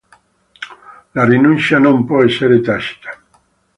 La rinuncia non può essere tacita.